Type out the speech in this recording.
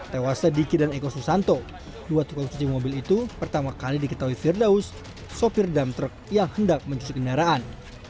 tewas sedikit dan ekosusanto dua tukang cuci mobil itu pertama kali diketahui firdaus sopir dam truk yang hendak mencusuk inaraan